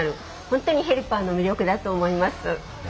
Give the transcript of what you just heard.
本当にヘルパーの魅力だと思います。